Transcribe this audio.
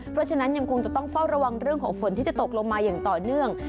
เพราะฉะนั้นยังคงจะต้องเฝ้าระวังเรื่องของฝนที่จะตกลงมาอย่างต่อเนื่อง